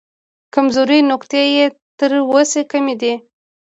کمزورې نقطې یې تر وسې کمې کړې.